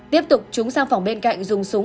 tiếp tục chúng sang phòng bên cạnh dùng súng